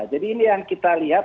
jadi ini yang kita lihat